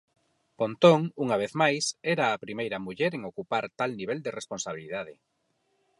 Pontón, unha vez máis, era a primeira muller en ocupar tal nivel de responsabilidade.